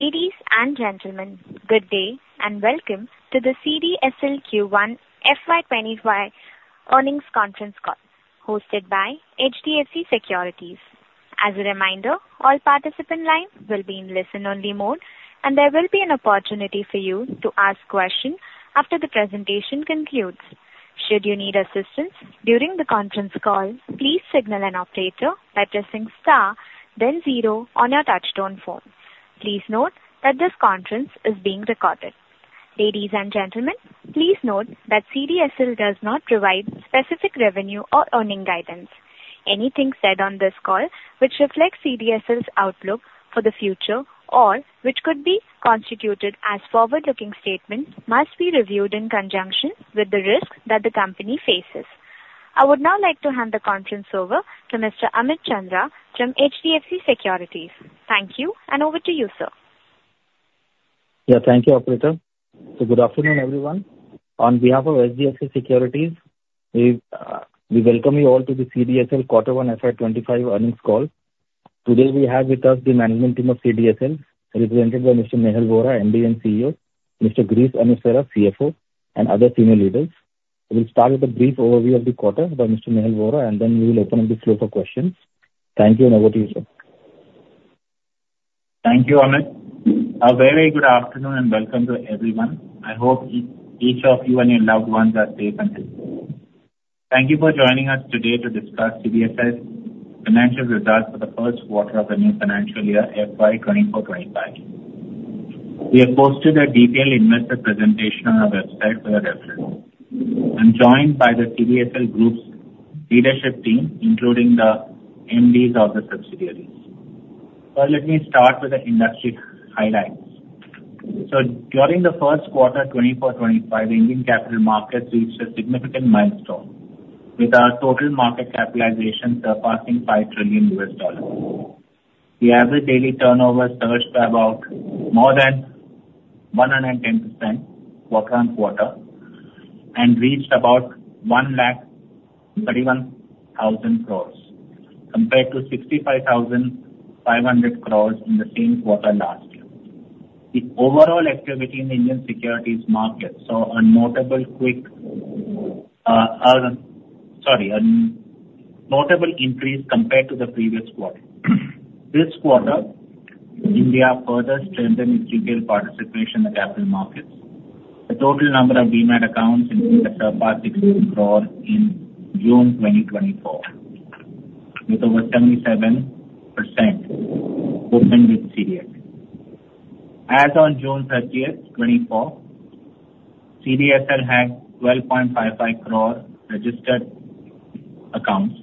Ladies and gentlemen, good day and welcome to the CDSL Q1 FY 2025 Earnings Conference Call hosted by HDFC Securities. As a reminder, all participants' lines will be in listen-only mode, and there will be an opportunity for you to ask questions after the presentation concludes. Should you need assistance during the conference call, please signal an operator by pressing star, then zero on your touch-tone phone. Please note that this conference is being recorded. Ladies and gentlemen, please note that CDSL does not provide specific revenue or earnings guidance. Anything said on this call, which reflects CDSL's outlook for the future or which could be constituted as forward-looking statements, must be reviewed in conjunction with the risk that the company faces. I would now like to hand the conference over to Mr. Amit Chandra from HDFC Securities. Thank you, and over to you, sir. Yeah, thank you, Operator. Good afternoon, everyone. On behalf of HDFC Securities, we welcome you all to the CDSL Q1 FY 2025 earnings call. Today, we have with us the management team of CDSL, represented by Mr. Nehal Vora, MD and CEO, Mr. Girish Amesara, CFO, and other senior leaders. We'll start with a brief overview of the quarter by Mr. Nehal Vora, and then we will open up the floor for questions. Thank you, and over to you, sir. Thank you, Amit. A very good afternoon and welcome to everyone. I hope each of you and your loved ones are safe and healthy. Thank you for joining us today to discuss CDSL's financial results for the first quarter of the new financial year FY 2024, 2025. We have posted a detailed investor presentation on our website for your reference. I'm joined by the CDSL Group's leadership team, including the MDs of the subsidiaries. Let me start with the industry highlights. During the first quarter 2024, 2025, the Indian capital markets reached a significant milestone, with our total market capitalization surpassing $5 trillion. The average daily turnover surged by about more than 110% quarter-on-quarter and reached about 131,000 crore, compared to 65,500 crore in the same quarter last year. The overall activity in the Indian securities market saw a notable increase compared to the previous quarter. This quarter, India further strengthened its retail participation in the capital markets. The total number of demat accounts in India surpassed 60 crores in June 2024, with over 77% open with CDSL. As of June 30, 2024, CDSL had 12.55 crore registered accounts,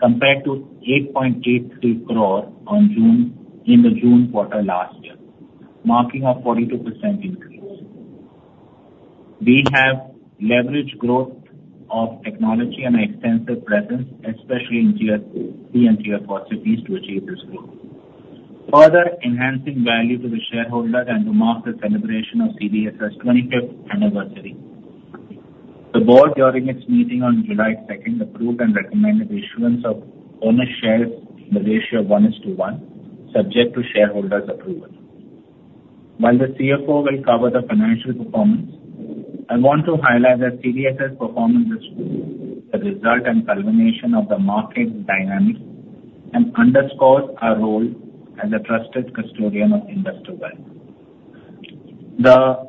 compared to 8.83 crore in the June quarter last year, marking a 42% increase. We have leveraged growth of technology and extensive presence, especially in Tier 3 and Tier 4 cities, to achieve this growth, further enhancing value to the shareholders and to mark the celebration of CDSL's 25th anniversary. The board, during its meeting on July 2, approved and recommended the issuance of bonus shares in the ratio of 1:1, subject to shareholders' approval. While the CFO will cover the financial performance, I want to highlight that CDSL's performance is the result and culmination of the market dynamics and underscores our role as a trusted custodian of industry value. The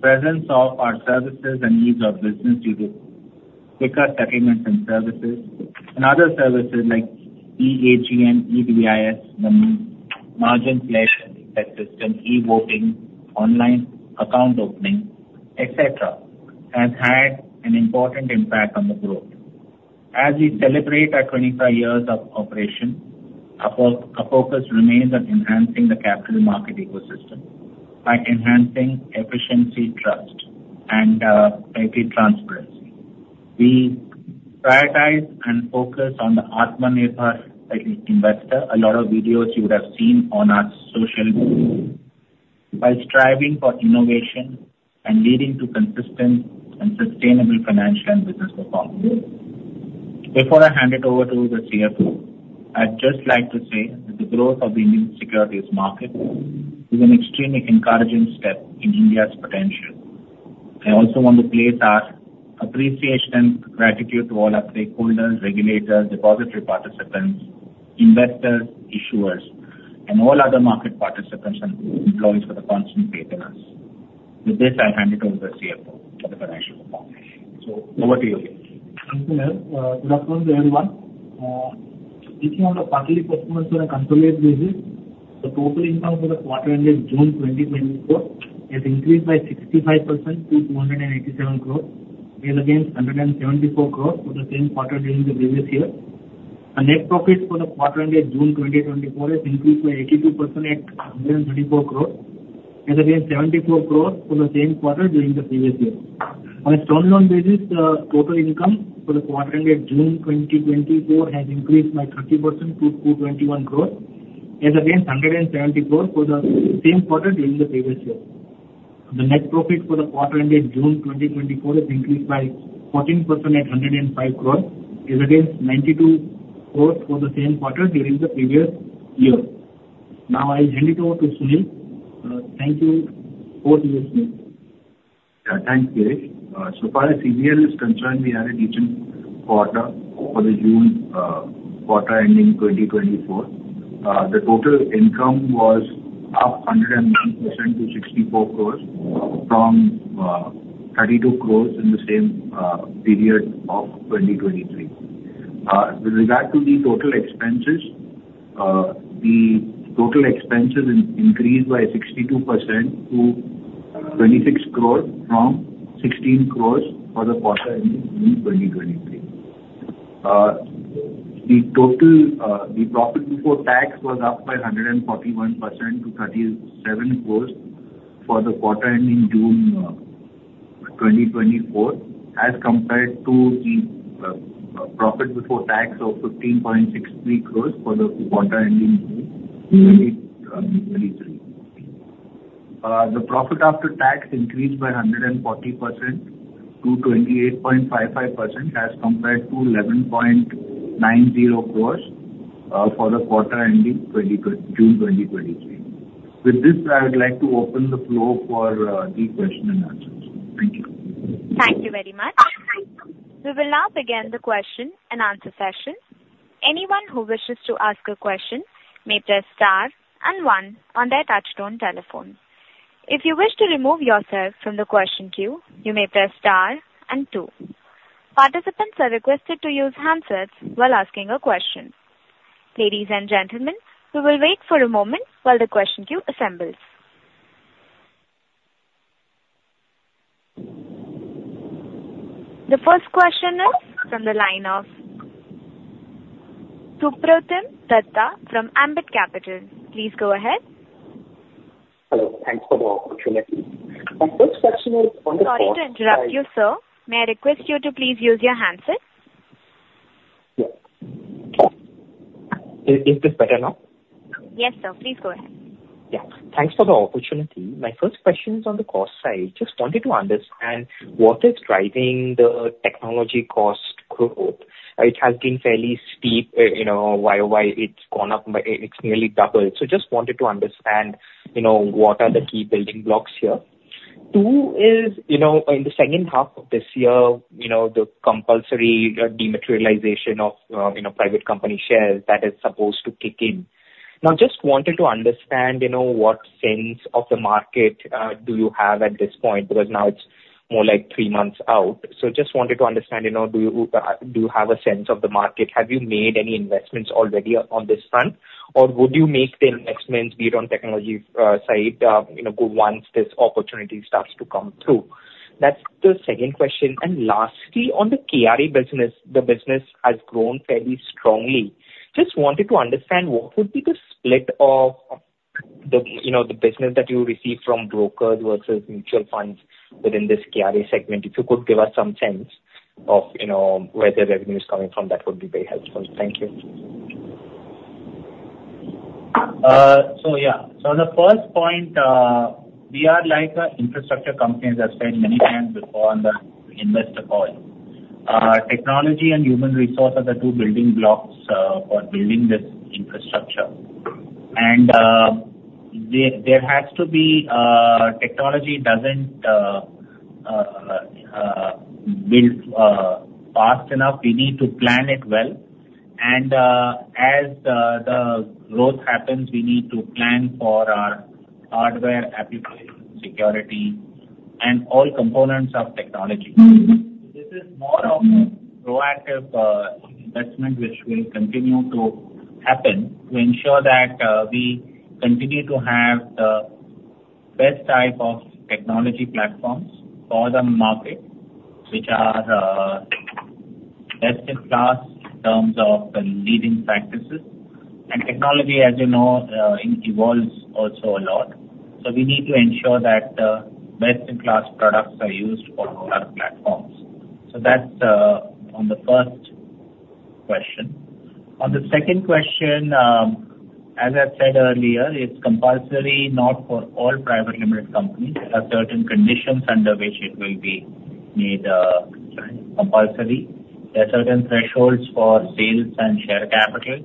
presence of our services and needs of business due to quicker settlements and services and other services like e-AGM, e-DIS, the margin pledge system, e-voting, online account opening, et cetera, has had an important impact on the growth. As we celebrate our 25 years of operation, our focus remains on enhancing the capital market ecosystem by enhancing efficiency, trust, and safety transparency. We prioritize and focus on the Atmanirbhar investor, a lot of videos you would have seen on our social media, by striving for innovation and leading to consistent and sustainable financial and business performance. Before I hand it over to the CFO, I'd just like to say that the growth of the Indian securities market is an extremely encouraging step in India's potential. I also want to place our appreciation and gratitude to all our stakeholders, regulators, depository participants, investors, issuers, and all other market participants and employees for the constant faith in us. With this, I hand it over to the CFO for the financial performance. Over to you, Girish. Thank you, Nehal. Good afternoon to everyone. Speaking of the quarterly performance on a consolidated basis, the total income for the quarter ended June 2024 has increased by 65% to 287 crores, as against 174 crores for the same quarter during the previous year. The net profits for the quarter ended June 2024 have increased by 82% at INR 134 crores, as against INR 74 crores for the same quarter during the previous year. On a turnover basis, the total income for the quarter ended June 2024 has increased by 30% to 221 crores, as against 174 crores for the same quarter during the previous year. The net profit for the quarter ended June 2024 has increased by 14% at 105 crores, as against 92 crores for the same quarter during the previous year. Now, I'll hand it over to Sunil. Thank you. Over to you, Sunil. Yeah, thanks, Girish. So far as CVL is concerned, we had a decent quarter for the June quarter ending 2024. The total income was up 110% to 64 crores from 32 crores in the same period of 2023. With regard to the total expenses, the total expenses increased by 62% to 26 crores from 16 crores for the quarter ending June 2023. The profit before tax was up by 141% to 37 crores for the quarter ending June 2024, as compared to the profit before tax of 15.63 crores for the quarter ending June 2023. The profit after tax increased by 140% to 28.55 crores, as compared to 11.90 crores for the quarter ending June 2023. With this, I would like to open the floor for the questions and answers. Thank you. Thank you very much. We will now begin the question and answer session. Anyone who wishes to ask a question may press star and one on their touch-tone telephone. If you wish to remove yourself from the question queue, you may press star and two. Participants are requested to use handsets while asking a question. Ladies and gentlemen, we will wait for a moment while the question queue assembles. The first question is from the line of Supratim Datta from Ambit Capital. Please go ahead. Hello. Thanks for the opportunity. My first question is on the call. Sorry to interrupt you, sir. May I request you to please use your handset? Yes. Is this better now? Yes, sir. Please go ahead. Yeah. Thanks for the opportunity. My first question is on the cost side. Just wanted to understand what is driving the technology cost growth. It has been fairly steep while it's gone up. It's nearly doubled. So just wanted to understand what are the key building blocks here. Two is, in the second half of this year, the compulsory dematerialization of private company shares that is supposed to kick in. Now, just wanted to understand what sense of the market do you have at this point, because now it's more like three months out. So just wanted to understand, do you have a sense of the market? Have you made any investments already on this front, or would you make the investments, be it on technology side, once this opportunity starts to come through? That's the second question. And lastly, on the KRA business, the business has grown fairly strongly. Just wanted to understand what would be the split of the business that you receive from brokers versus mutual funds within this KRA segment. If you could give us some sense of where the revenue is coming from, that would be very helpful. Thank you. So yeah. So on the first point, we are like an infrastructure company, as I said many times before on the investor call. Technology and human resources are two building blocks for building this infrastructure. And there has to be technology that doesn't build fast enough. We need to plan it well. And as the growth happens, we need to plan for our hardware, application, security, and all components of technology. This is more of a proactive investment, which will continue to happen to ensure that we continue to have the best type of technology platforms for the market, which are best-in-class in terms of the leading practices. And technology, as you know, evolves also a lot. So we need to ensure that the best-in-class products are used for all our platforms. So that's on the first question. On the second question, as I said earlier, it's compulsory not for all private limited companies. There are certain conditions under which it will be made compulsory. There are certain thresholds for sales and share capital,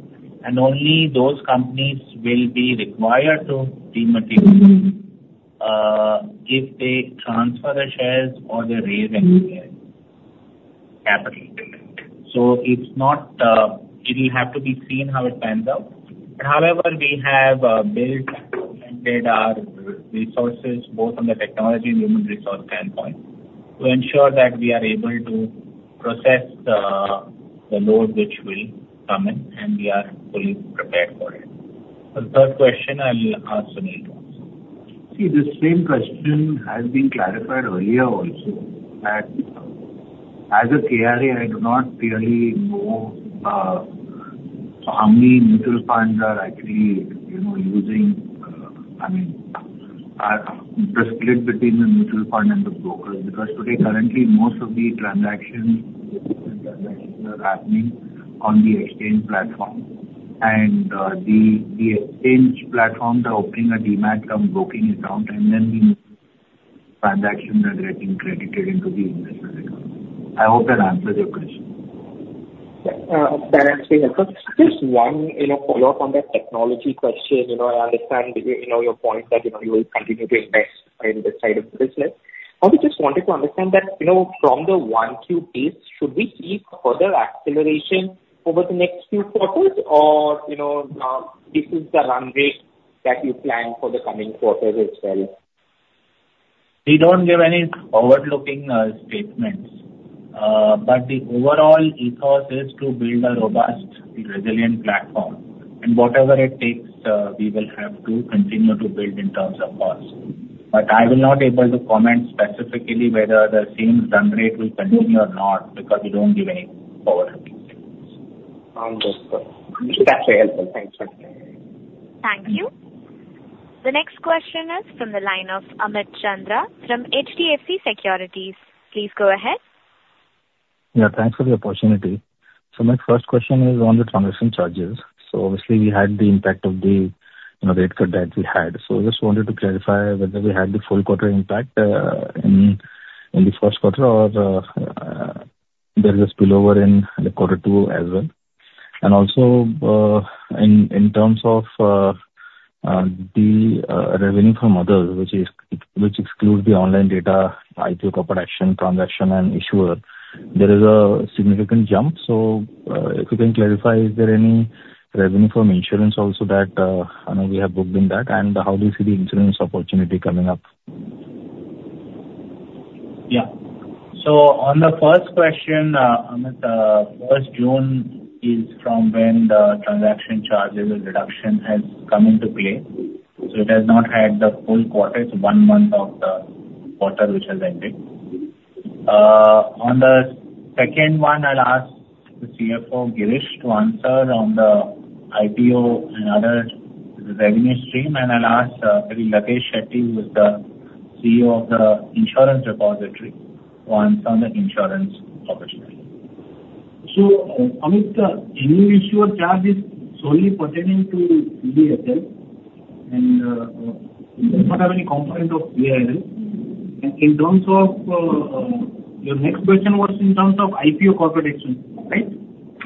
and only those companies will be required to dematerialize if they transfer their shares or they raise any share capital. So it will have to be seen how it pans out. However, we have built and augmented our resources, both on the technology and human resource standpoint, to ensure that we are able to process the load which will come in, and we are fully prepared for it. The third question I'll ask Sunil to answer. See, the same question has been clarified earlier also. As a KRA, I do not really know how many mutual funds are actually using, I mean, the split between the mutual fund and the brokers, because today, currently, most of the transactions are happening on the exchange platform. And the exchange platforms are opening a demat from broking account, and then the transactions are getting credited into the investor account. I hope that answers your question. Yeah. That actually helps. Just one follow-up on that technology question. I understand your point that you will continue to invest in this side of the business. I would just wanted to understand that from the Q1 piece, should we see further acceleration over the next few quarters, or this is the run rate that you plan for the coming quarters as well? We don't give any forward-looking statements, but the overall ethos is to build a robust, resilient platform. And whatever it takes, we will have to continue to build in terms of cost. But I will not be able to comment specifically whether the same run rate will continue or not, because we don't give any forward-looking statements. Understood. That's very helpful. Thanks, sir. Thank you. The next question is from the line of Amit Chandra from HDFC Securities. Please go ahead. Yeah. Thanks for the opportunity. So my first question is on the transaction charges. So obviously, we had the impact of the rate cut that we had. So I just wanted to clarify whether we had the full quarter impact in the first quarter or there is a spillover in the Q2 as well. And also, in terms of the revenue from others, which excludes the online data, IPO corporate action, transaction, and issuer, there is a significant jump. So if you can clarify, is there any revenue from insurance also that we have booked in that, and how do you see the insurance opportunity coming up? Yeah. So on the first question, Amit, the first of June is from when the transaction charges and deduction has come into play. So it has not had the full quarter, it's one month of the quarter which has ended. On the second one, I'll ask the CFO, Girish, to answer on the IPO and other revenue stream. And I'll ask Latesh Shetty, who is the CEO of the insurance repository, to answer on the insurance opportunity. So Amit, any issuer charge is solely pertaining to CDSL, and it does not have any component of CIRL. In terms of your next question was in terms of IPO corporate actions, right?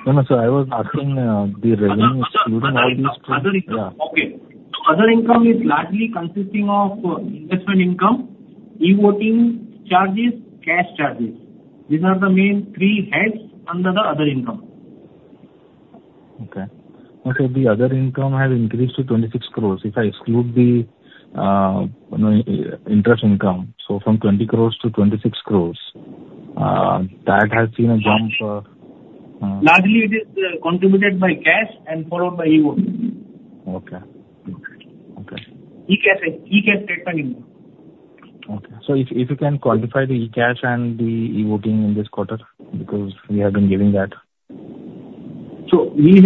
No, no, sir. I was asking the revenue excluding all these two. Other income? Yeah. Okay. So other income is largely consisting of investment income, e-voting charges, CAS charges. These are the main three heads under the other income. Okay. So the other income has increased to 26 crore. If I exclude the interest income, so from 20 crore to 26 crore, that has seen a jump. Largely, it is contributed by CAS and followed by e-voting. Okay. Okay. e-CAS statement income. Okay. So if you can qualify the e-CAS and the e-Voting in this quarter, because we have been giving that. In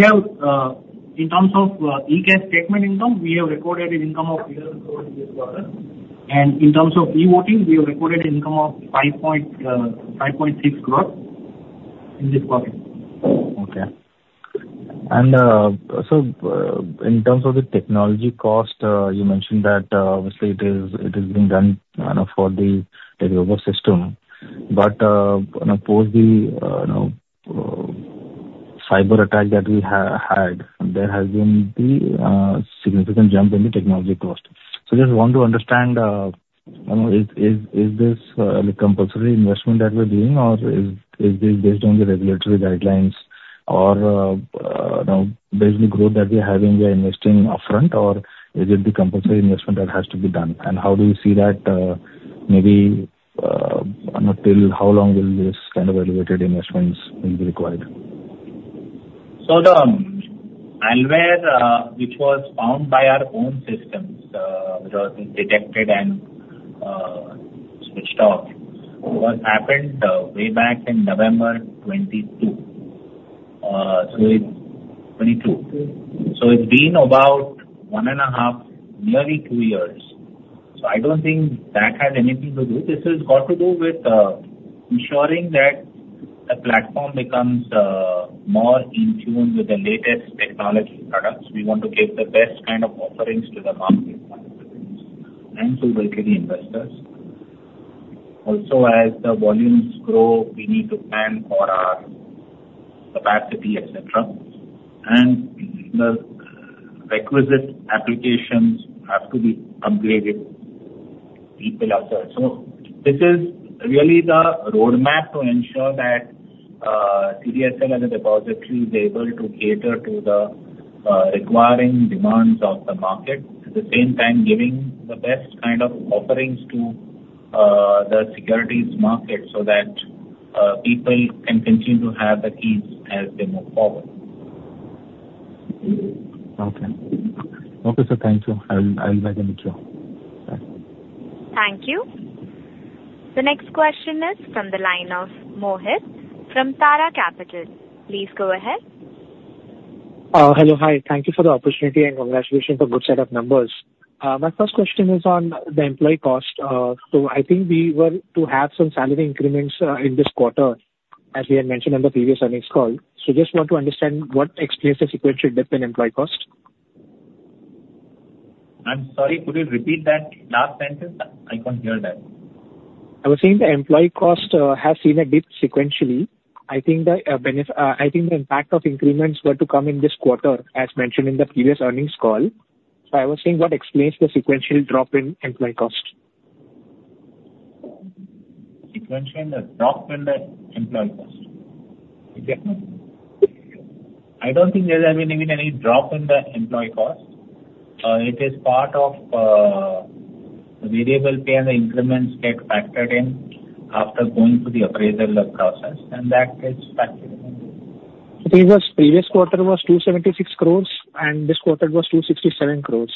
terms of e-CAS statement income, we have recorded an income of INR 11 crores in this quarter. In terms of e-Voting, we have recorded an income of 5.6 crores in this quarter. Okay. So in terms of the technology cost, you mentioned that obviously it is being done for the over system. But post the cyber attack that we had, there has been the significant jump in the technology cost. Just want to understand, is this a compulsory investment that we're doing, or is this based on the regulatory guidelines, or based on the growth that we are having, we are investing upfront, or is it the compulsory investment that has to be done? How do you see that? Maybe until how long will this kind of elevated investments be required? So the malware, which was found by our own systems, which was detected and switched off, what happened way back in November 2022, so it's 2022. So it's been about one and a half, nearly two years. So I don't think that has anything to do. This has got to do with ensuring that the platform becomes more in tune with the latest technology products. We want to give the best kind of offerings to the market and to local investors. Also, as the volumes grow, we need to plan for our capacity, et cetera. The requisite applications have to be upgraded. This is really the roadmap to ensure that CDSL as a depository is able to cater to the requiring demands of the market, at the same time giving the best kind of offerings to the securities market so that people can continue to have the keys as they move forward. Okay. Okay, sir. Thank you. I'll be back in with you. Thank you. The next question is from the line of Mohit. From Tara Capital. Please go ahead. Hello. Hi. Thank you for the opportunity and congratulations on good set of numbers. My first question is on the employee cost. So I think we were to have some salary increments in this quarter, as we had mentioned on the previous earnings call. So just want to understand what expenses sequentially dip in employee cost? I'm sorry. Could you repeat that last sentence? I couldn't hear that. I was saying the employee cost has seen a dip sequentially. I think the impact of increments were to come in this quarter, as mentioned in the previous earnings call. So I was saying what explains the sequential drop in employee cost? Sequential drop in the employee cost? I don't think there has been any drop in the employee cost. It is part of the variable pay and the increments get factored in after going through the appraisal process, and that gets factored in. So previous quarter was 276 crore, and this quarter was 267 crore.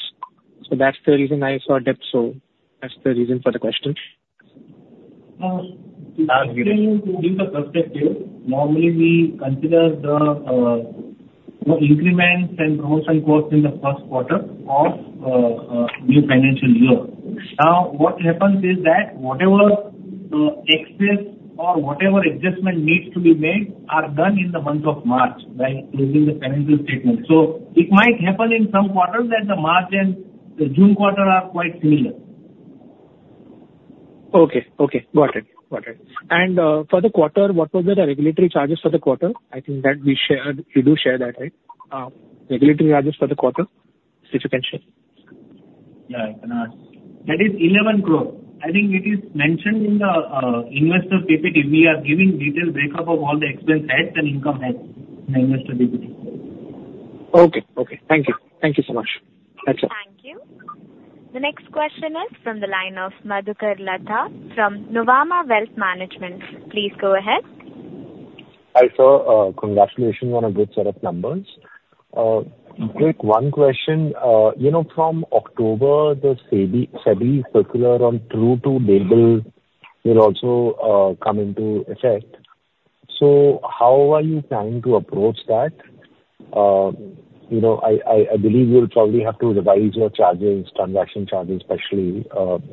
So that's the reason I saw a dip. So that's the reason for the question. Now, Girish, from the perspective, normally we consider the increments and growth and growth in the first quarter of the new financial year. Now, what happens is that whatever excess or whatever adjustment needs to be made are done in the month of March by closing the financial statement. So it might happen in some quarters that the March and June quarter are quite similar. Okay. Okay. Got it. Got it. And for the quarter, what were the regulatory charges for the quarter? I think that we shared you do share that, right? Regulatory charges for the quarter, if you can share. Yeah. I can ask Girish. That is 11 crore. I think it is mentioned in the investor PPT. We are giving detailed breakup of all the expense heads and income heads in the investor PPT. Okay. Okay. Thank you. Thank you so much. That's all. Thank you. The next question is from the line of Madhukar Ladha from Nuvama Wealth Management. Please go ahead. Hi sir. Congratulations on a good set of numbers. Just one question. From October, the SEBI circular on true-to-label will also come into effect. So how are you planning to approach that? I believe you'll probably have to revise your charges, transaction charges, especially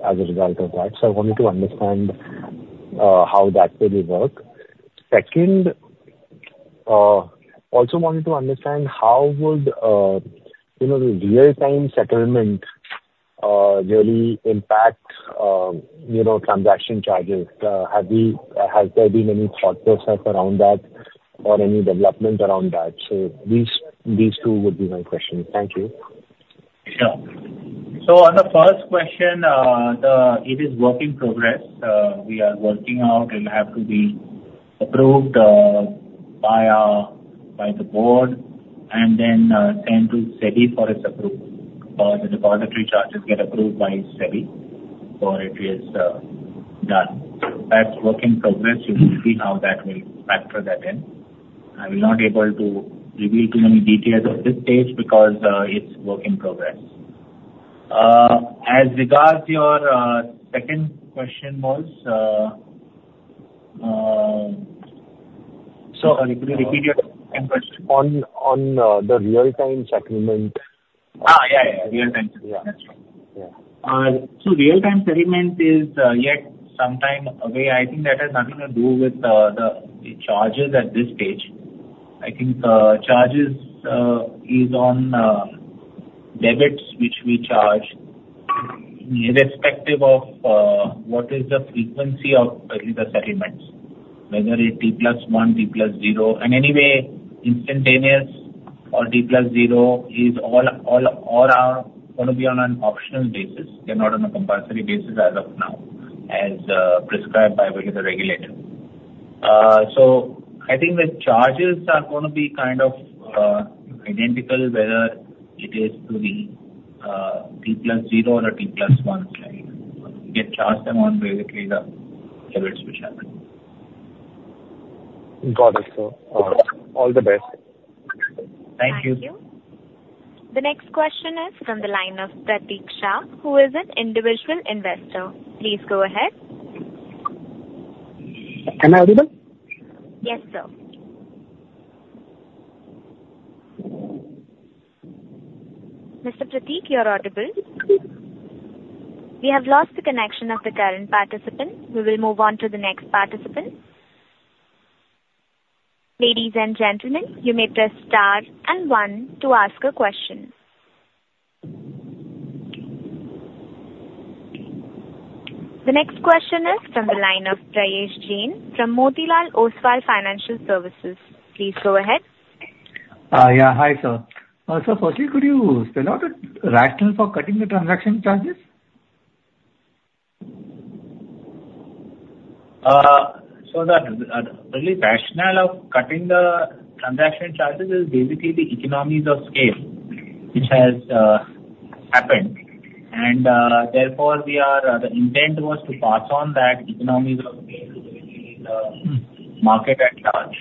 as a result of that. So I wanted to understand how that will work. Second, also wanted to understand how would the real-time settlement really impact transaction charges? Has there been any thought process around that or any development around that? So these two would be my questions. Thank you. Sure. So on the first question, it is work in progress. We are working out. It will have to be approved by the board and then sent to SEBI for its approval. The depository charges get approved by SEBI before it is done. That's work in progress. You will see how that will factor that in. I will not be able to reveal too many details at this stage because it's work in progress. As regards to your second question, Mohit, sorry, could you repeat your second question? On the real-time settlement. Yeah, yeah. Real-time settlement. Yeah. So real-time settlement is yet sometime away. I think that has nothing to do with the charges at this stage. I think charges is on debits which we charge, irrespective of what is the frequency of the settlements, whether it's T+1, T+0, and anyway, instantaneous or T+0 is all are going to be on an optional basis. They're not on a compulsory basis as of now, as prescribed by the regulator. So I think the charges are going to be kind of identical, whether it is to the T+0 or T+1. We get charged amount, basically, the debits which happen. Got it, sir. All the best. Thank you. Thank you. The next question is from the line of Prateek Shah, who is an individual investor. Please go ahead. Am I audible? Yes, sir. Mr. Prateek, you're audible. We have lost the connection of the current participant. We will move on to the next participant. Ladies and gentlemen, you may press star and one to ask a question. The next question is from the line of Prayesh Jain, from Motilal Oswal Financial Services. Please go ahead. Yeah. Hi, sir. Firstly, could you spell out the rationale for cutting the transaction charges? The real rationale of cutting the transaction charges is basically the economies of scale, which has happened. Therefore, the intent was to pass on that economies of scale to the market at large.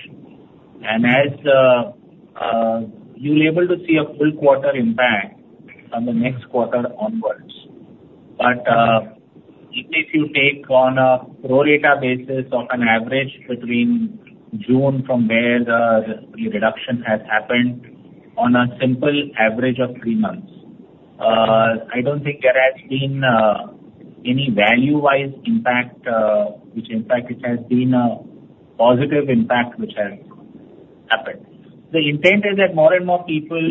As you'll be able to see a full quarter impact from the next quarter onwards. But if you take on a pro-rata basis of an average between June from where the reduction has happened on a simple average of three months, I don't think there has been any value-wise impact, which impact has been a positive impact which has happened. The intent is that more and more people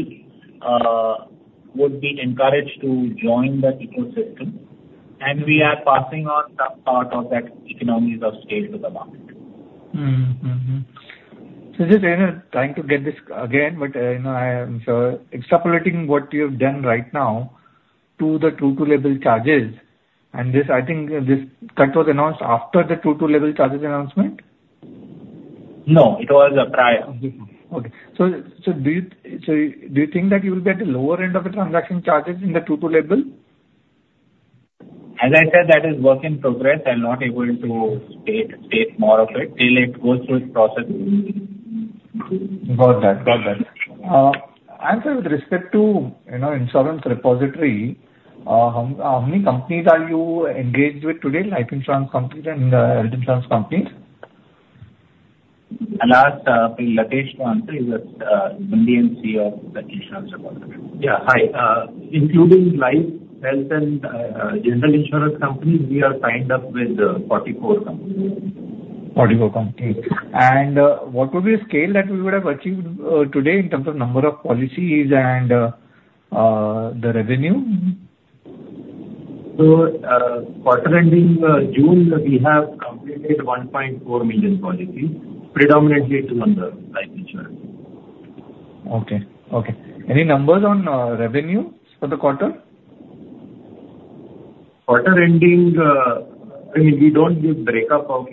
would be encouraged to join the ecosystem, and we are passing on some part of that economies of scale to the market. Just trying to get this again, but I'm extrapolating what you've done right now to the true-to-label charges. I think this cut was announced after the true-to-label charges announcement? No. It was prior. Okay. So do you think that you will be at the lower end of the transaction charges in the True to Label? As I said, that is work in progress. I'm not able to state more of it till it goes through its process. Got that. Got that. I'm sorry, with respect to insurance repository, how many companies are you engaged with today? Life insurance companies and health insurance companies? And last, Latesh to answer, is the MD and CEO of the Insurance Repository. Yeah. Hi. Including life, health, and general insurance companies, we are signed up with 44 companies. 44 companies. What would be the scale that we would have achieved today in terms of number of policies and the revenue? Quarter ending June, we have completed 1.4 million policies, predominantly to under life insurance. Okay. Okay. Any numbers on revenue for the quarter? Quarter ending, I mean, we don't give breakup of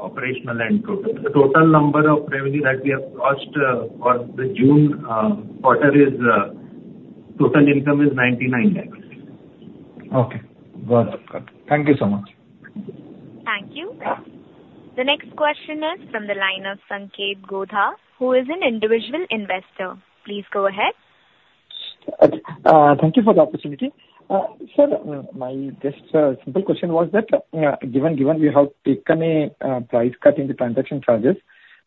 operational and total. The total number of revenue that we have cost for the June quarter is total income is 99 lakhs. Okay. Got it. Thank you so much. Thank you. The next question is from the line of Sanket Godha, who is an individual investor. Please go ahead. Thank you for the opportunity. Sir, my just simple question was that given we have taken a price cut in the transaction charges,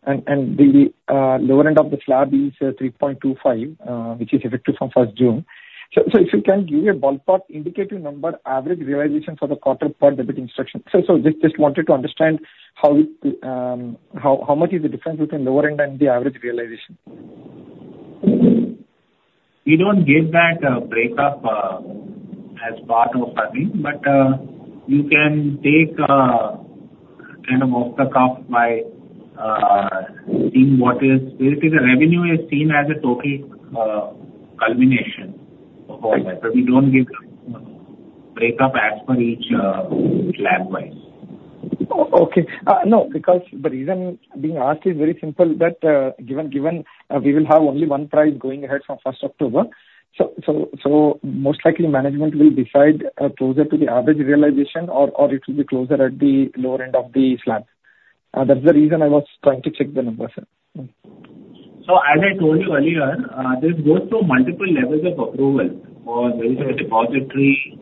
and the lower end of the slab is 3.25, which is effective from first June. So if you can give a ballpark indicative number, average realization for the quarter per debit instruction? So just wanted to understand how much is the difference between lower end and the average realization? We don't give that breakup as part of funding, but you can take kind of off the cuff by seeing what is basically the revenue is seen as a total culmination of all that. But we don't give breakup as per each slab-wise. Okay. No, because the reason being asked is very simple that given we will have only one price going ahead from first October, so most likely management will decide closer to the average realization or it will be closer at the lower end of the slab. That's the reason I was trying to check the numbers. So as I told you earlier, this goes through multiple levels of approval for various depository.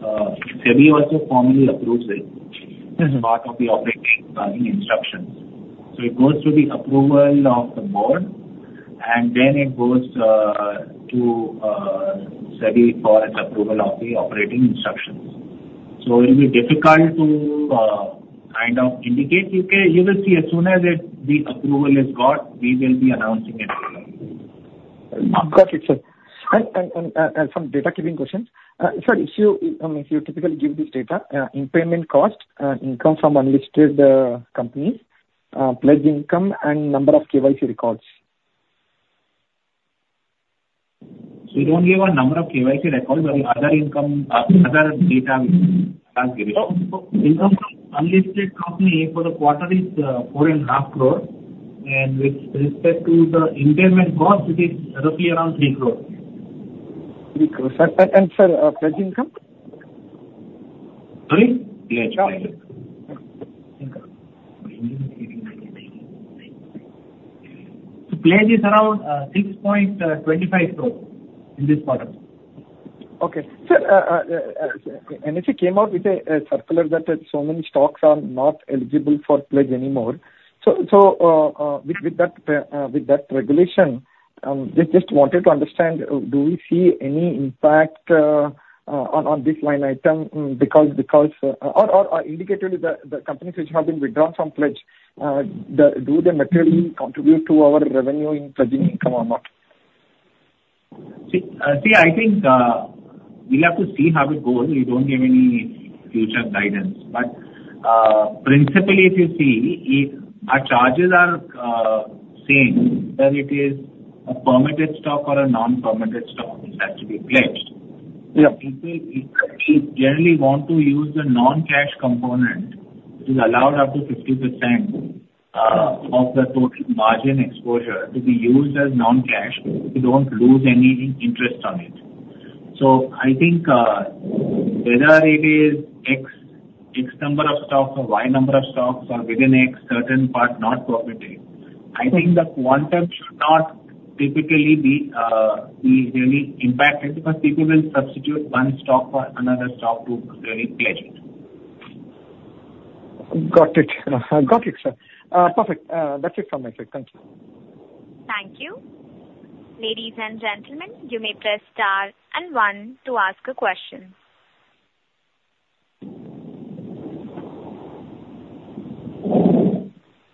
SEBI also formally approves it as part of the operating instructions. So it goes through the approval of the board, and then it goes to SEBI for its approval of the operating instructions. So it will be difficult to kind of indicate. You will see as soon as the approval is got, we will be announcing it. Got it, sir. Some data keeping questions. Sir, if you typically give this data, impairment cost, income from unlisted companies, pledge income, and number of KYC records? We don't give a number of KYC records, but the other data we have given. Income from unlisted company for the quarter is 4.5 crore, and with respect to the impairment cost, it is roughly around INR 3 crore. 3 crores. And, sir, pledge income? Sorry? Pledge. Pledge. Pledge is around 6.25 crores in this quarter. Okay. Sir, NSE came out with a circular that so many stocks are not eligible for pledge anymore. So with that regulation, just wanted to understand, do we see any impact on this line item because indicatively, the companies which have been withdrawn from pledge, do they materially contribute to our revenue in pledging income or not? See, I think we'll have to see how it goes. We don't give any future guidance. But principally, if you see, our charges are the same, whether it is a permitted stock or a non-permitted stock, it has to be pledged. People generally want to use the non-cash component, which is allowed up to 50% of the total margin exposure, to be used as non-cash. You don't lose any interest on it. So I think whether it is X number of stocks or Y number of stocks or within X certain part not profiting, I think the quantum should not typically be really impacted because people will substitute one stock for another stock to really pledge it. Got it. Got it, sir. Perfect. That's it from my side. Thank you. Thank you. Ladies and gentlemen, you may press star and one to ask a question.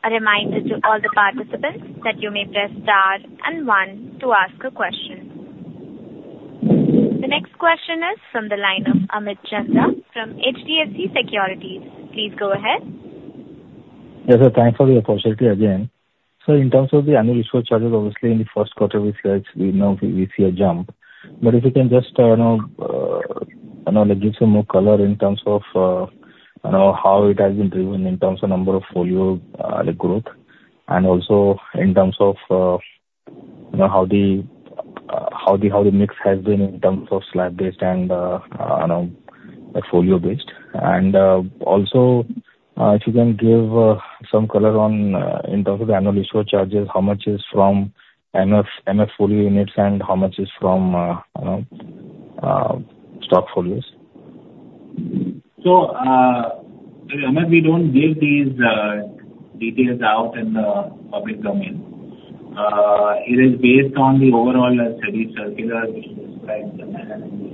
A reminder to all the participants that you may press star and one to ask a question. The next question is from the line of Amit Chandra from HDFC Securities. Please go ahead. Yes, sir. Thanks for the opportunity again. So in terms of the annual issue charges, obviously, in the first quarter, we see a jump. But if you can just give some more color in terms of how it has been driven in terms of number of folio growth and also in terms of how the mix has been in terms of slab-based and folio-based. And also, if you can give some color in terms of the annual issue charges, how much is from MF folio units and how much is from stock folios? So we don't give these details out in the public domain. It is based on the overall SEBI circular, which describes the line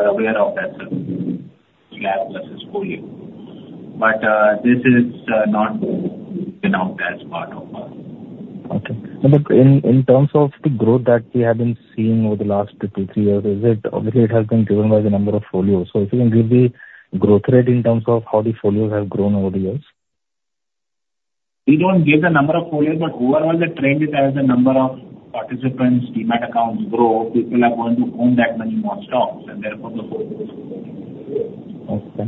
item. You are aware of that, sir, slab versus folio. But this is not given out as part of our. Okay. But in terms of the growth that we have been seeing over the last 2, 3, 4 years, obviously, it has been driven by the number of folios. So if you can give the growth rate in terms of how the folios have grown over the years? We don't give the number of folios, but overall, the trend is as the number of participants, demat accounts grow, people are going to own that many more stocks, and therefore the folios are growing. Okay.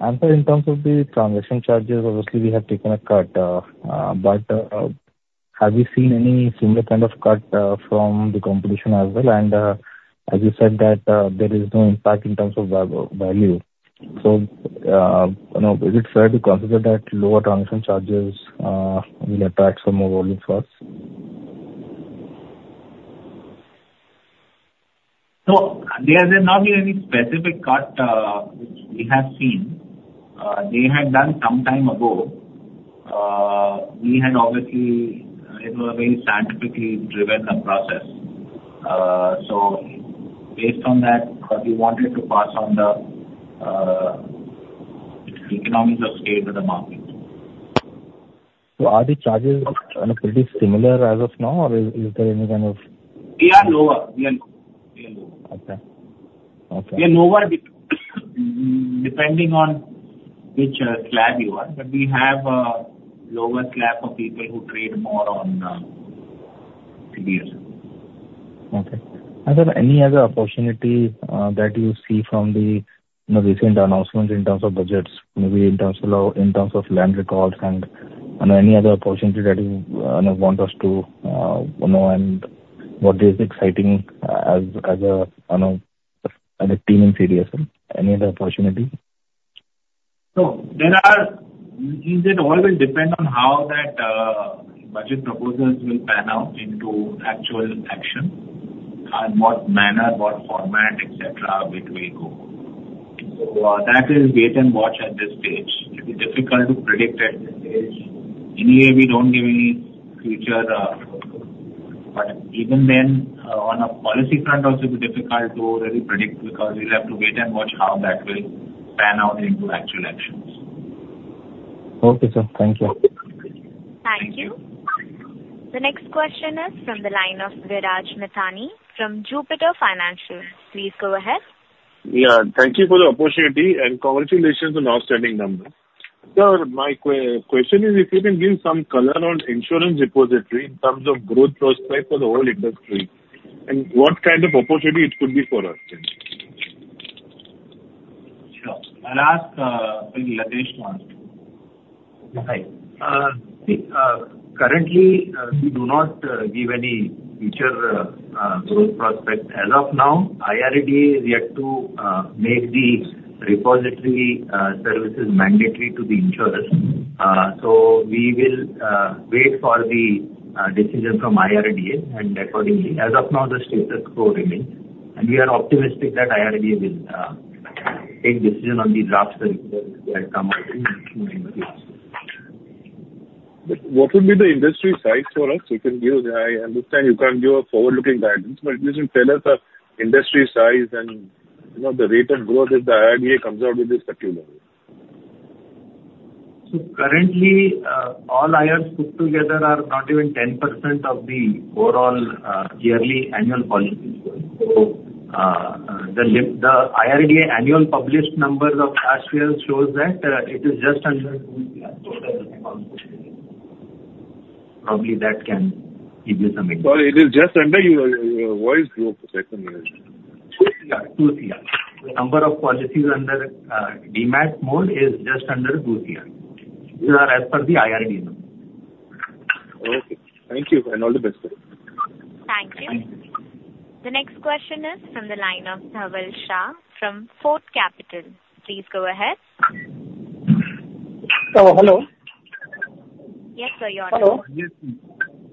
And sir, in terms of the transaction charges, obviously, we have taken a cut. But have you seen any similar kind of cut from the competition as well? And as you said, that there is no impact in terms of value. So is it fair to consider that lower transaction charges will attract some more volume for us? So there has not been any specific cut which we have seen. They had done some time ago. We had obviously, it was very scientifically driven the process. So based on that, we wanted to pass on the economies of scale to the market. So are the charges pretty similar as of now, or is there any kind of? We are lower. Okay. Okay. We are lower depending on which slab you are, but we have a lower slab for people who trade more on the CDSL. Okay. Are there any other opportunities that you see from the recent announcements in terms of budgets, maybe in terms of land records and any other opportunity that you want us to know and what is exciting as a team in CDSL? Any other opportunity? So there are things that all will depend on how that budget proposals will pan out into actual action, in what manner, what format, et cetera, it will go. That is wait and watch at this stage. It is difficult to predict at this stage. Anyway, we don't give any future. But even then, on a policy front, also it will be difficult to really predict because we'll have to wait and watch how that will pan out into actual actions. Okay, sir. Thank you. Thank you. The next question is from the line of Viraj Mithani from Jupiter Financials. Please go ahead. Yeah. Thank you for the opportunity and congratulations on outstanding numbers. Sir, my question is if you can give some color on insurance repository in terms of growth prospect for the whole industry and what kind of opportunity it could be for us? Sure. I'll ask Latesh to answer. Currently, we do not give any future growth prospect. As of now, IRDA is yet to make the repository services mandatory to the insurers. So we will wait for the decision from IRDA and accordingly. As of now, the status quo remains. And we are optimistic that IRDA will take decision on the drafts that come out in the next few months. But what will be the industry size for us? I understand you can't give a forward-looking guidance, but it isn't fair that the industry size and the rate of growth if the IRDA comes out with this particular. Currently, all IRs put together are not even 10% of the overall yearly annual policies. The IRDA annual published numbers of CAS shows that it is just under 2 crores. Probably that can give you some information. It is just under your voice group, second. 2 crores. 2 crores. The number of policies under demat mode is just under 2 crores. These are as per the IRDA. Okay. Thank you. All the best, sir. Thank you. The next question is from the line of Dhaval Shah from Fort Capital. Please go ahead. Hello. Yes, sir. You're on the line.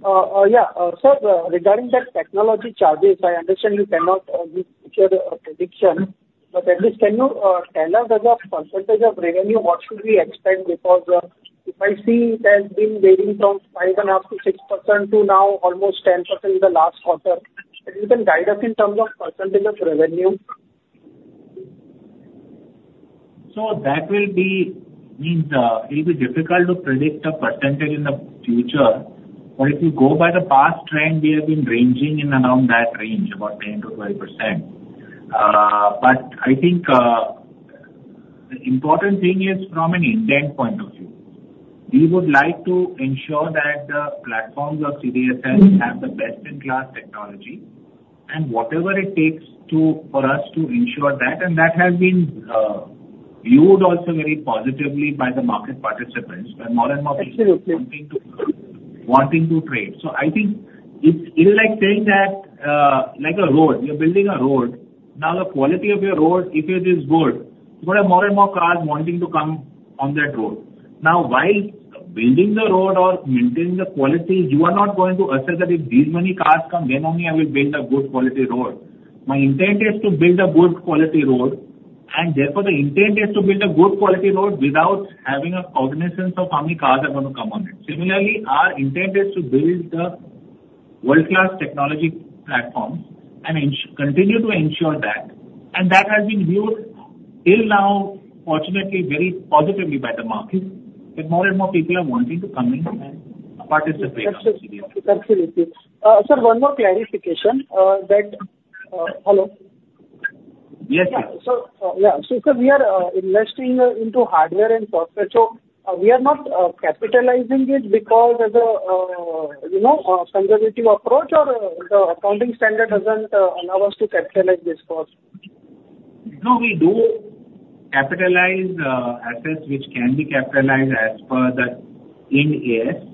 Hello. Yes. Yeah. Sir, regarding that technology charges, I understand you cannot give a prediction, but at least can you tell us as a percentage of revenue, what should we expect? Because if I see it has been varying from 5.5%-6% to now almost 10% in the last quarter, can you guide us in terms of percentage of revenue? So that will mean it will be difficult to predict a percentage in the future. But if you go by the past trend, we have been ranging in around that range, about 10%-12%. But I think the important thing is from an intent point of view. We would like to ensure that the platforms of CDSL have the best-in-class technology and whatever it takes for us to ensure that. And that has been viewed also very positively by the market participants, by more and more people wanting to trade. So I think it's like saying that like a road. You're building a road. Now, the quality of your road, if it is good, you're going to have more and more cars wanting to come on that road. Now, while building the road or maintaining the quality, you are not going to assess that if these many cars come, then only I will build a good quality road. My intent is to build a good quality road, and therefore the intent is to build a good quality road without having a cognizance of how many cars are going to come on it. Similarly, our intent is to build the world-class technology platforms and continue to ensure that. That has been viewed till now, fortunately, very positively by the market, that more and more people are wanting to come in and participate in CDSL. Absolutely. Sir, one more clarification that hello? Yes, sir. Yeah. So, sir, we are investing into hardware and software. So we are not capitalizing it because of a conservative approach or the accounting standard doesn't allow us to capitalize this cost? No, we do capitalize assets which can be capitalized as per the Ind AS.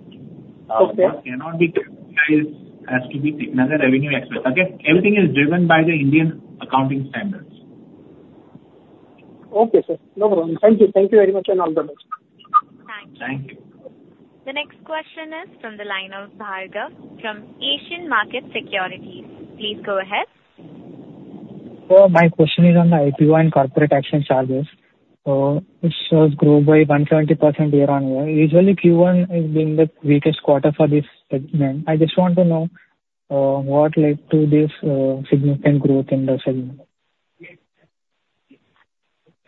Of course, cannot be capitalized as to be another revenue expense. Again, everything is driven by the Indian Accounting Standards. Okay, sir. No problem. Thank you. Thank you very much and all the best. Thank you. Thank you. The next question is from the line of Bhargav, from Asian Markets Securities. Please go ahead. Sir, my question is on the IPO and corporate action charges. It shows growth by 170% year-over-year. Usually, Q1 has been the weakest quarter for this segment. I just want to know what led to this significant growth in the segment.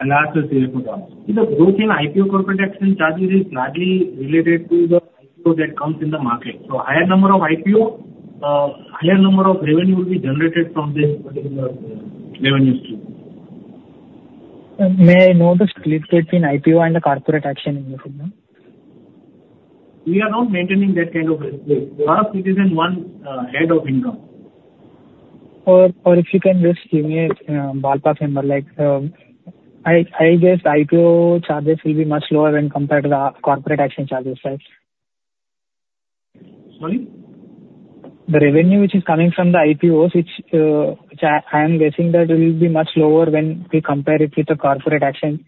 I'll ask the demat account. The growth in IPO corporate action charges is largely related to the IPO that comes in the market. So higher number of IPO, higher number of revenue will be generated from this revenue stream. May I know the split between IPO and the corporate action in this segment? We are not maintaining that kind of split. A lot of it is in one head of income. Or if you can just give me a ballpark number, I guess IPO charges will be much lower when compared to the corporate action charges, right? Sorry? The revenue which is coming from the IPOs, which I am guessing that will be much lower when we compare it with the corporate action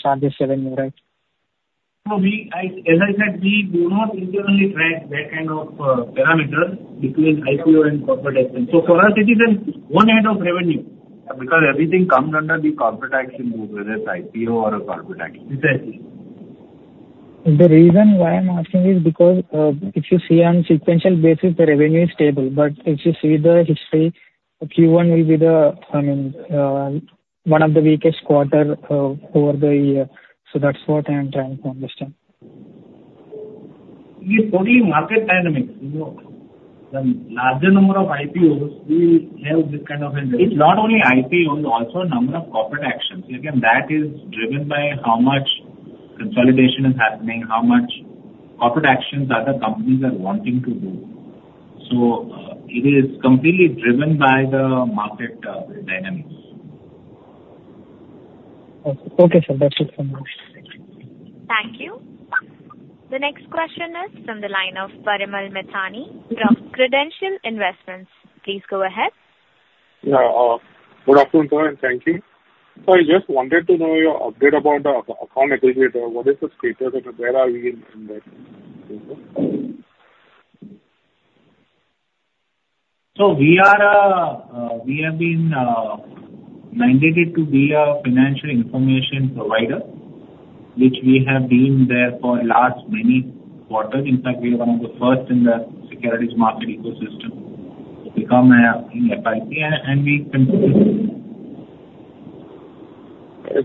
charges revenue, right? As I said, we do not internally track that kind of parameters between IPO and corporate action. For us, it is one head of revenue because everything comes under the corporate action group, whether it's IPO or a corporate action. The reason why I'm asking is because if you see on sequential basis, the revenue is stable. But if you see the history, Q1 will be the, I mean, one of the weakest quarters over the year. So that's what I'm trying to understand. It's totally market dynamics. The larger number of IPOs will have this kind of revenue. It's not only IPOs, also a number of corporate actions. Again, that is driven by how much consolidation is happening, how much corporate actions other companies are wanting to do. So it is completely driven by the market dynamics. Okay, sir. That's it for me. Thank you. The next question is from the line of Parimal Mithani from Credential Investments. Please go ahead. Yeah. Good afternoon, sir. Thank you. I just wanted to know your update about the Account Aggregator. What is the status and where are we in that? So we have been mandated to be a Financial Information Provider, which we have been there for the last many quarters. In fact, we are one of the first in the securities market ecosystem to become an FIP, and we continue.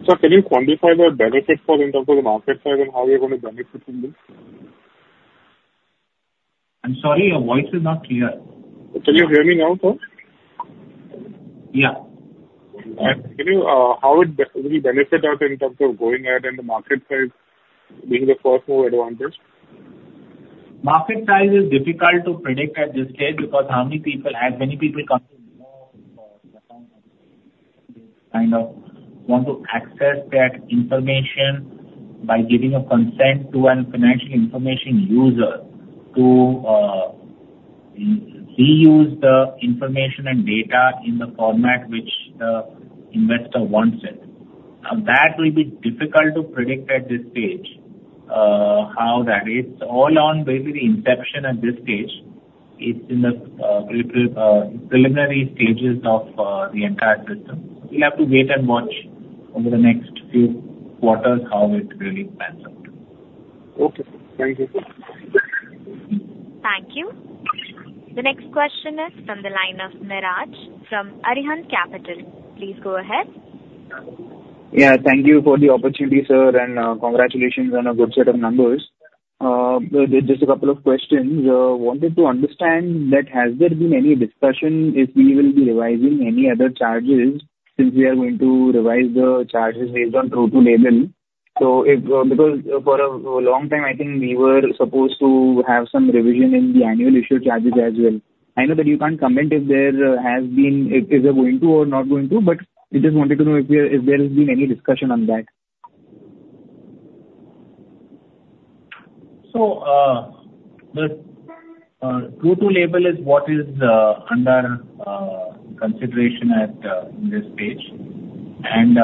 Sir, can you quantify the benefit for in terms of the market size and how you're going to benefit from this? I'm sorry, your voice is not clear. Can you hear me now, sir? Yeah. Can you how would we benefit out in terms of going ahead and the market size being the first mover advantage? Market size is difficult to predict at this stage because how many people, as many people come to know this kind of want to access that information by giving a consent to a financial information user to reuse the information and data in the format which the investor wants it. That will be difficult to predict at this stage how that is. It's all on basically the inception at this stage. It's in the preliminary stages of the entire system. We'll have to wait and watch over the next few quarters how it really pans out. Okay. Thank you. Thank you. The next question is from the line of Niraj from Arihant Capital. Please go ahead. Yeah. Thank you for the opportunity, sir, and congratulations on a good set of numbers. Just a couple of questions. I wanted to understand that has there been any discussion if we will be revising any other charges since we are going to revise the charges based on true-to-label? Because for a long time, I think we were supposed to have some revision in the annual issue charges as well. I know that you can't comment if there has been if we are going to or not going to, but I just wanted to know if there has been any discussion on that. So the true-to-label is what is under consideration at this stage. And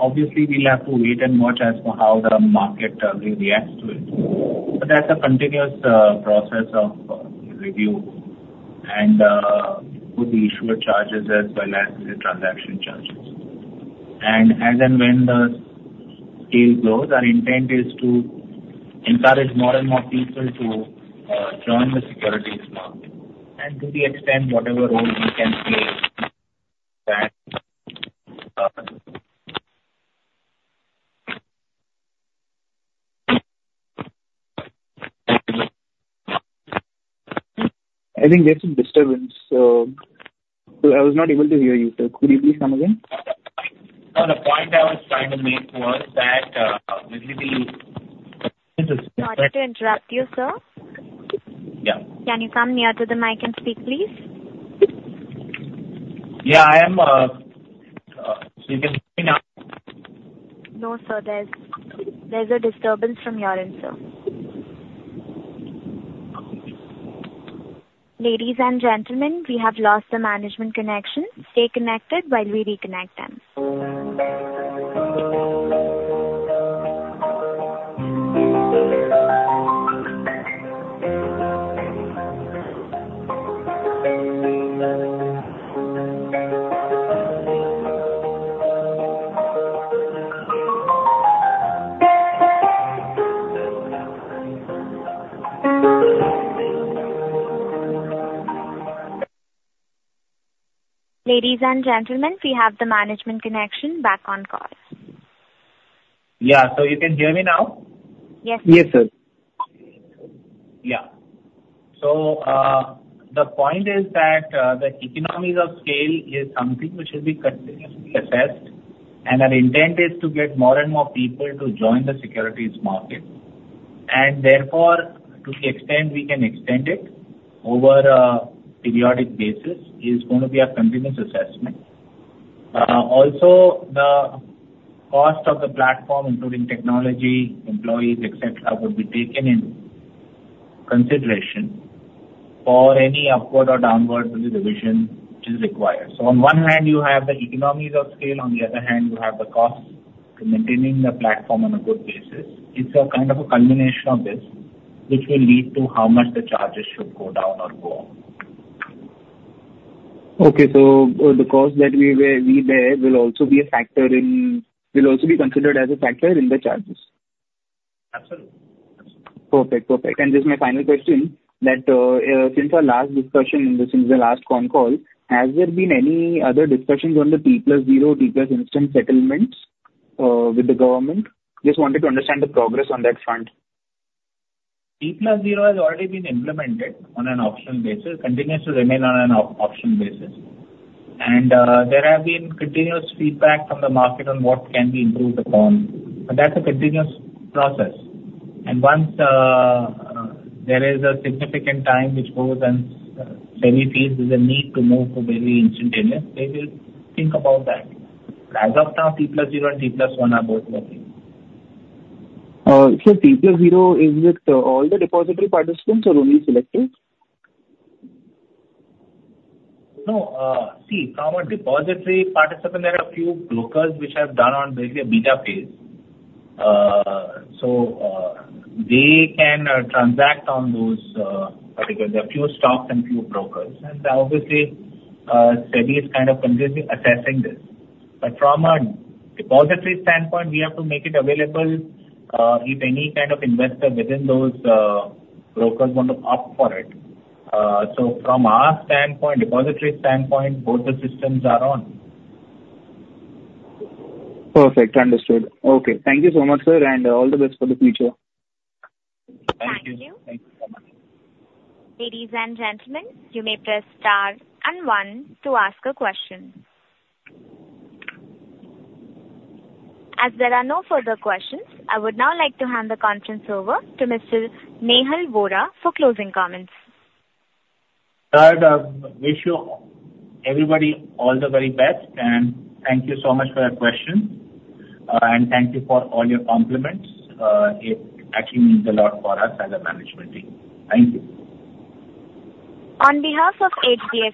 obviously, we'll have to wait and watch as to how the market reacts to it. But that's a continuous process of review and with the issuer charges as well as the transaction charges. And as and when the scale grows, our intent is to encourage more and more people to join the securities market. And to the extent, whatever role we can play that. I think there's some disturbance. So I was not able to hear you, sir. Could you please come again? No, the point I was trying to make was that maybe the. Sorry to interrupt you, sir. Yeah. Can you come nearer to the mic and speak, please? Yeah, I am. You can hear me now? No, sir. There's a disturbance from your end, sir. Ladies and gentlemen, we have lost the management connection. Stay connected while we reconnect them. Ladies and gentlemen, we have the management connection back on call. Yeah. So you can hear me now? Yes. Yes, sir. Yeah. So the point is that the economies of scale is something which will be assessed, and our intent is to get more and more people to join the securities market. And therefore, to the extent we can extend it over a periodic basis, it is going to be a continuous assessment. Also, the cost of the platform, including technology, employees, et cetera, would be taken into consideration for any upward or downward revision which is required. So on one hand, you have the economies of scale. On the other hand, you have the costs to maintaining the platform on a good basis. It's a kind of a culmination of this, which will lead to how much the charges should go down or go up. Okay. So the cost that we bear will also be considered as a factor in the charges? Absolutely. Perfect. Perfect. And just my final question that since our last discussion and since the last phone call, has there been any other discussions on the T+0, T+ instance settlements with the government? Just wanted to understand the progress on that front. T+0 has already been implemented on an optional basis. It continues to remain on an optional basis. There have been continuous feedback from the market on what can be improved upon. But that's a continuous process. Once there is a significant time which goes and SEBI feels is a need to move to very instantaneous, they will think about that. As of now, T+0 and T+1 are both working. T+0 is with all the depository participants or only selected? No. See, from a depository participant, there are a few brokers which have done on basically a beta phase. So they can transact on those particularly a few stocks and few brokers. And obviously, SEBI is kind of continuously assessing this. But from a depository standpoint, we have to make it available if any kind of investor within those brokers want to opt for it. So from our standpoint, depository standpoint, both the systems are on. Perfect. Understood. Okay. Thank you so much, sir, and all the best for the future. Thank you. Thank you. Thank you so much. Ladies and gentlemen, you may press star and one to ask a question. As there are no further questions, I would now like to hand the conference over to Mr. Nehal Vora for closing comments. Sir, I wish everybody all the very best, and thank you so much for your questions. Thank you for all your compliments. It actually means a lot for us as a management team. Thank you. On behalf of HDFC.